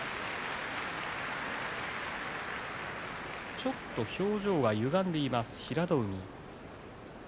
ちょっと表情がゆがんでいます平戸海。